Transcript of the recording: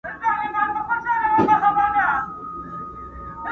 احساس هم کوي.